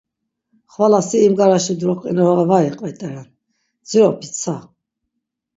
Xvala si imgaraşi dro qinora var iqvet̆eren, dziropi tsa?